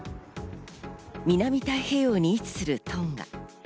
南太平洋に位置するトンガ。